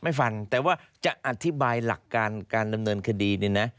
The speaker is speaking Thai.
ฟันแต่ว่าจะอธิบายหลักการการดำเนินคดีเนี่ยนะ